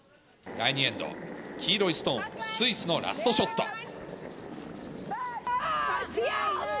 第２エンド、黄色いストーン、スイスのラストショット。